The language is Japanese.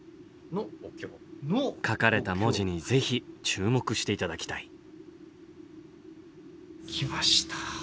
書かれた文字にぜひ注目して頂きたい。来ました。